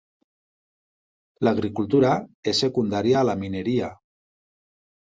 L'agricultura és secundària a la mineria.